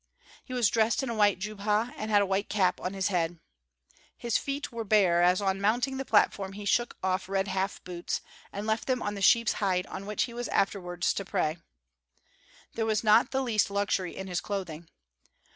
He was dressed in a white jubha and had a white cap on his head. His feet were bare, as on mounting the platform he shook off red half boots and left them on the sheep's hide on which he was afterwards to pray. There was not the least luxury in his clothing.